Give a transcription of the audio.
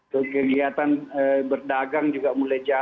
ke kegiatan berdagang juga mulai jatuh